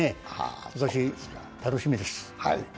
今年が楽しみです。